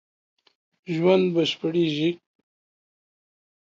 ژوند بشپړېږي